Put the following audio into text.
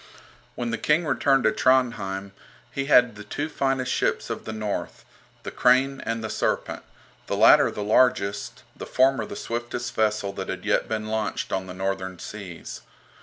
When the King returned to Trondhjem he had the two finest ships of the north, the "Crane" and the "Serpent," the latter the largest, the former the swiftest vessel that had yet been launched on the northern seas.